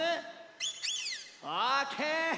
オーケー！